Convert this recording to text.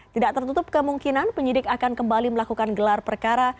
tidak tertutup kemungkinan penyidik akan kembali melakukan gelar perkara